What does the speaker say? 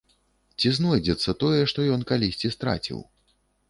Ці знойдзецца тое, што ён калісьці страціў?